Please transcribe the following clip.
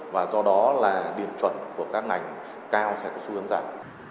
và do đó là điểm chuẩn của các ngành cao sẽ có xu hướng giảm